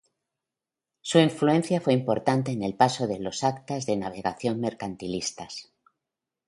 Su influencia fue importante en el paso de los Actas de Navegación mercantilistas.